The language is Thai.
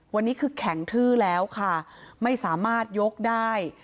วันนี้คือแข็งทื้อแล้วค่ะไม่สามารถยกได้